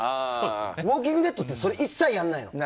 「ウォーキング・デッド」ってそれ一切やらないの。